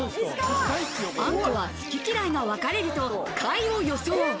あんこは好き嫌いが分かれると下位を予想。